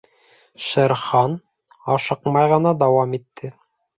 — Шер Хан ашыҡмай ғына дауам итте.